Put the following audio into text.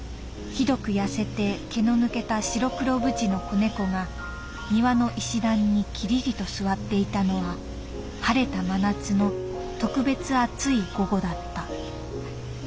「ひどく痩せて毛の抜けた白黒ブチの子猫が庭の石段にきりりと座っていたのは晴れた真夏の特別暑い午後だった。